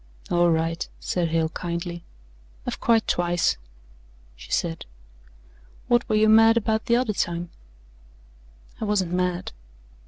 "All right," said Hale kindly. "I've cried twice," she said. "What were you mad about the other time?" "I wasn't mad."